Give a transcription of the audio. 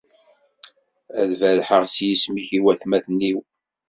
Ad berrḥeɣ s yisem-ik i watmaten-iw.